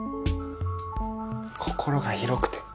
心が広くて。